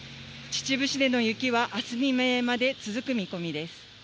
秩父市での雪はあす未明まで続く見込みです。